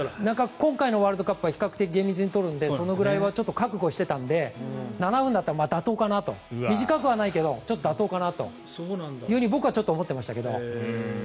今回のワールドカップは比較的、厳密に取るのでそのぐらいは覚悟していたので７分だと短くはないけど妥当かなと僕は思ってましたけど。